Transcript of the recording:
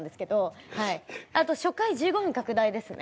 あと初回１５分拡大ですね。